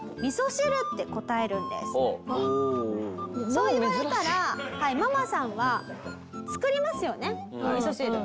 そう言われたらママさんは作りますよね味噌汁。